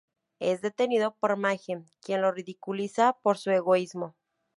Es detenido por Mayhem quien lo ridiculiza por su egoísmo.